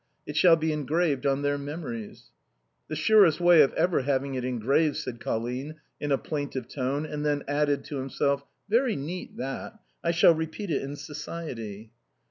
It shall be engraved on their memories." " The surest way of ever having it engraved/' said Col THE PASSAGE OF THE RED SEA. 197 line, in a plaintive tone, and then added to himself, " Very neat, that; I shall repeat it in society!